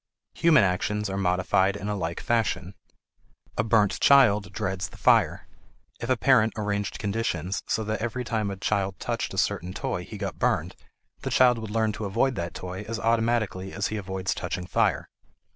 Human actions are modified in a like fashion. A burnt child dreads the fire; if a parent arranged conditions so that every time a child touched a certain toy he got burned, the child would learn to avoid that toy as automatically as he avoids touching fire.